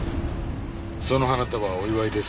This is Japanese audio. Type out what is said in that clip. その花束はお祝いですか？